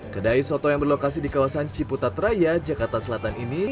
kedai soto yang berlokasi di kawasan ciputat raya jakarta selatan ini